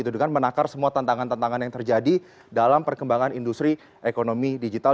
dengan menakar semua tantangan tantangan yang terjadi dalam perkembangan industri ekonomi digital